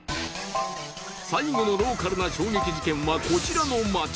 最後のローカルな衝撃事件はこちらの街。